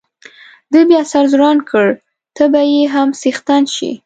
ده بیا سر ځوړند کړ، ته به یې هم څښتن شې.